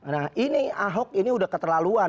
nah ini ahok ini udah keterlaluan